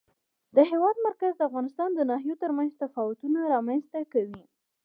د هېواد مرکز د افغانستان د ناحیو ترمنځ تفاوتونه رامنځ ته کوي.